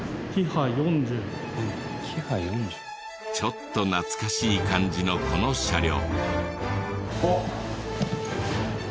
ちょっと懐かしい感じのこの車両。